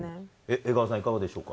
江川さんはいかがでしょうか。